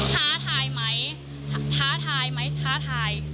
ท้าทายไหมท้าทาย